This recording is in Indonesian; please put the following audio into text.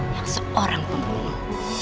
yang seorang pembunuh